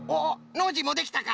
ノージーもできたか！